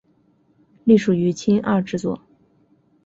隶属于青二制作。